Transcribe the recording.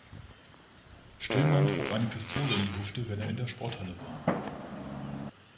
Stillman trug eine Pistole um die Hüfte, wenn er in der Sporthalle war.